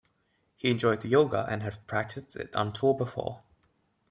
He enjoys yoga, and has practiced it on tour before.